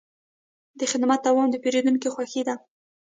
د خدمت دوام د پیرودونکي خوښي ده.